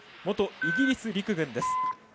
元イギリス陸軍です。